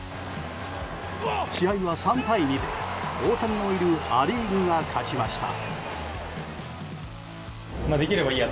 試合は３対２で大谷のいるア・リーグが勝ちました。